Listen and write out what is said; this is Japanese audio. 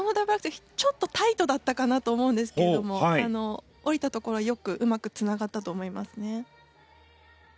ちょっとタイトだったかなと思うんですけれども降りたところはよくうまくつながったと思いますね。